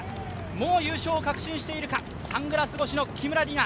もう優勝を確信しているか、サングラス越しの木村梨七。